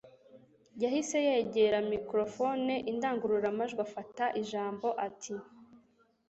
Yahise yegera microphoneindangururamajwi afata ijambo ati